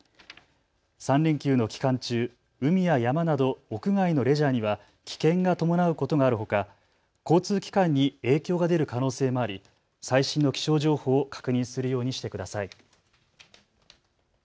３連休の期間中、海や山など屋外のレジャーには危険が伴うことがあるほか、交通機関に影響が出る可能性もあり最新の気象情報を確認するようにしてください。